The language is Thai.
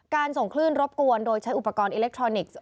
ส่งคลื่นรบกวนโดยใช้อุปกรณ์อิเล็กทรอนิกส์